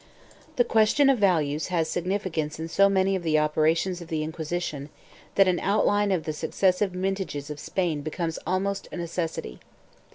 The question of values has significance in so many of the operations of the Inquisition that an outline of the successive mintages of Spain becomes almost a necessity.